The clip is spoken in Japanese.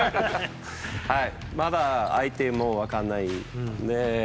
まだ相手も分からない。